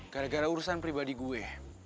gara gara urusan pribadi gue